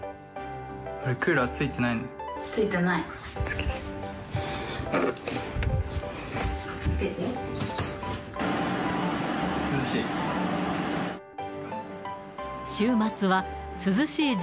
クーラーついてないの？